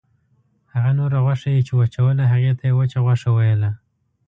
هغه نوره غوښه یې چې وچوله هغې ته یې وچه غوښه ویله.